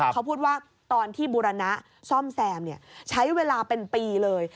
เขาพูดว่าตอนที่บูรณะซ่อมแซมใช้เวลาเป็นปีเลย